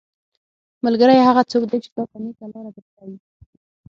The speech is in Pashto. ملګری هغه څوک دی چې تاته نيکه لاره در ښيي.